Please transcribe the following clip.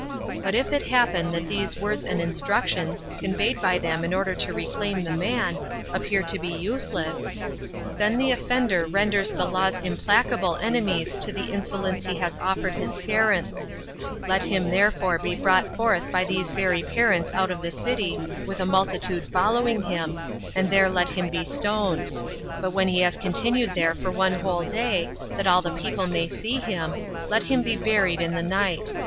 But if it happen that these words and instructions, conveyed by them in order to reclaim the man, appear to be useless, then the offender renders the laws implacable enemies to the insolence he has offered his parents; let him therefore be brought forth 27 by these very parents out of the city, with a multitude following him, and there let him be stoned; and when he has continued there for one whole day, that all the people may see him, let him be buried in the night.